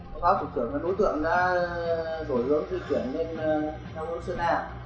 báo cáo thủ tưởng và đối tượng đã đổi hướng di chuyển lên theo môn sơn na à